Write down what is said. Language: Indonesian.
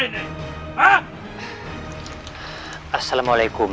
tidak ada yang akan mendengar kamu